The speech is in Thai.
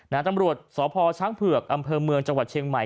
ตำรวจสพช้างเผือกอำเภอเมืองจังหวัดเชียงใหม่